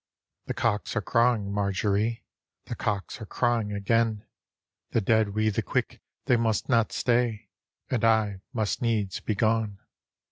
"The cocks are crawing, Marjorie, — The cocks are crawing again: The dead wi' the quick they mustna stay. And I must needs be gone."